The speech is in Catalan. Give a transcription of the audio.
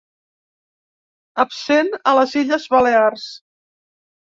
Absent a les Illes Balears.